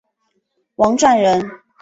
王篆人。